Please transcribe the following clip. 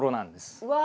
うわ！